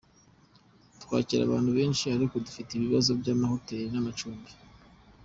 Twakira abantu benshi, ariko dufite ikibazo cy’amahoteli n’amacumbi.